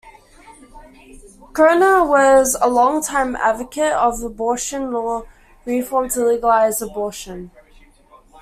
Kirner was a long-time advocate of abortion law reform to legalise abortion.